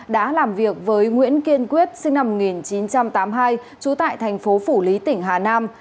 đã làm việc với nguyễn kiên quyết sinh năm một nghìn chín trăm tám mươi hai trú tại thành phố phủ lý tỉnh hà nam